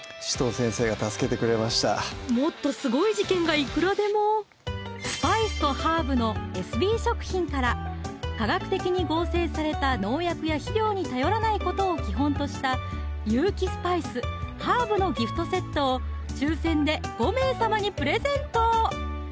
もっとすごい事件がいくらでもスパイスとハーブのエスビー食品から化学的に合成された農薬や肥料に頼らないことを基本とした有機スパイス・ハーブのギフトセットを抽選で５名様にプレゼント